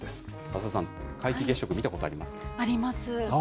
浅田さん、皆既月食見たことありあります。